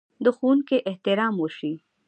د ښوونکي احترام وشي.